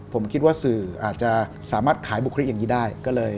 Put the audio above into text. ผมคิดว่าสื่ออาจจะสามารถขายบุคลิกอย่างนี้ได้